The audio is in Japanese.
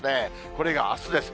これがあすです。